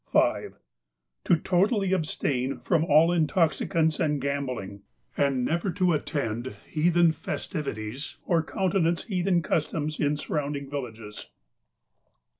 "5. To totally abstain from all intoxicants and gambling, and never to attend heathen festivities or countenance heathen customs in surrounding villages.